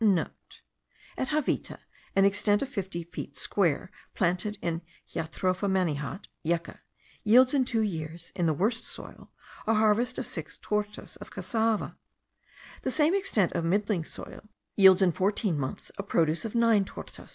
*(* At Javita, an extent of fifty feet square, planted with Jatropha manihot (yucca) yields in two years, in the worst soil, a harvest of six tortas of cassava: the same extent on a middling soil yields in fourteen months a produce of nine tortas.